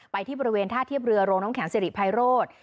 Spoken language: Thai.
ที่บริเวณท่าเทียบเรือโรงน้ำแข็งสิริภัยโรธ